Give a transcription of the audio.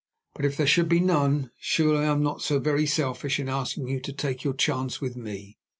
But if there should be none, surely I am not so very selfish in asking you to take your chance with me?